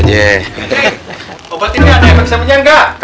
jadri obat ini ada efek sampingnya nggak